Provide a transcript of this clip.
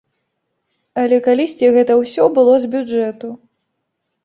Але калісьці гэта ўсё было з бюджэту!